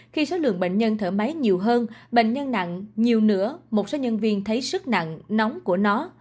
khi số lượng bệnh nhân thở máy nhiều hơn bệnh nhân nặng nhiều nữa một số nhân viên thấy sức nặng nóng của nó